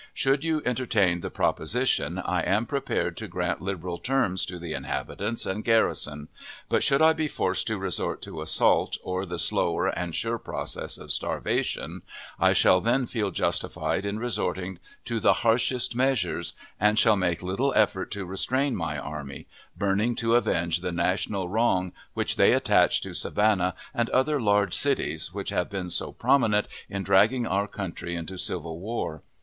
Should you entertain the proposition, I am prepared to grant liberal terms to the inhabitants and garrison; but should I be forced to resort to assault, or the slower and surer process of starvation, I shall then feel justified in resorting to the harshest measures, and shall make little effort to restrain my army burning to avenge the national wrong which they attach to Savannah and other large cities which have been so prominent in dragging our country into civil war.